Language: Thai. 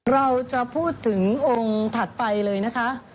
เราจะพูดถึงองค์ถัดไปเลยนะคะ